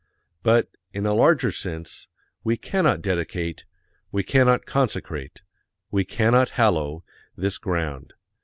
But, in a larger sense, we cannot dedicate, we cannot consecrate, we cannot hallow, this ground.